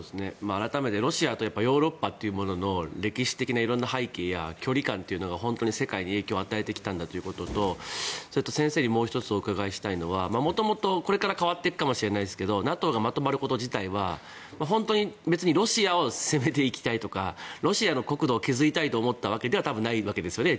改めてロシアとヨーロッパというものの歴史的な色んな背景や距離感が本当に世界に影響を与えてきたんだということとそれと先生にもう１つお伺いしたいのはこれから変わっていくかもしれないですがＮＡＴＯがまとまること自体は別にロシアを攻めていきたいとかロシアの国土を削りたいと思ったわけではないですよね。